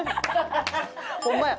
ホンマや。